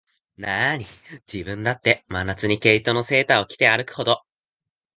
なに、自分だって、真夏に毛糸のセーターを着て歩くほど、